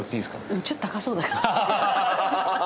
うんちょっと高そうだから。